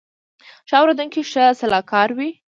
ښه اورېدونکی ښه سلاکار وي